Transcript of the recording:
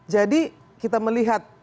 jadi kita melihat